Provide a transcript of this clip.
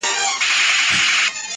تا هم لوښی د روغن دی چپه کړی؟!!